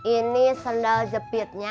ini sendal jepitnya